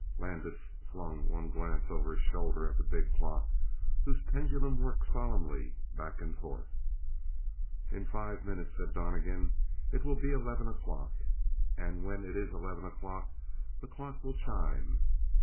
Landis flung one glance over his shoulder at the big clock, whose pendulum worked solemnly back and forth. "In five minutes," said Donnegan, "it will be eleven o'clock. And when it's eleven o'clock the clock will chime.